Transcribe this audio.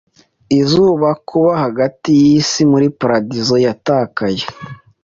izuba Kuba hagati yisi muri paradizo yatakaye